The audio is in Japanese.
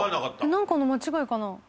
何かの間違いかな？